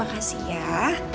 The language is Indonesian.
aku seneng banget